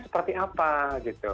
seperti apa gitu